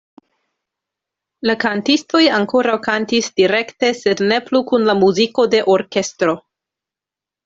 La kantistoj ankoraŭ kantis direkte sed ne plu kun la muziko de orkestro.